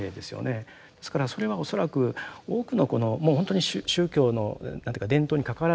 ですからそれは恐らく多くのこのもう本当に宗教の何ていうか伝統にかかわらずですね